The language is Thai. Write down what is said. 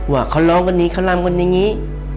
ว่าเขาร้องกันนี้เขารำกันนี้